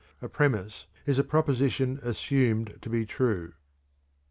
(_A "premise" is "a proposition assumed to be true."